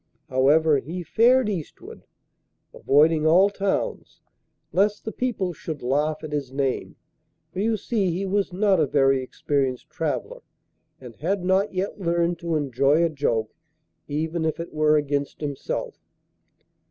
However, he fared eastward, avoiding all towns, lest the people should laugh at his name, for, you see, he was not a very experienced traveller, and had not yet learned to enjoy a joke even if it were against himself.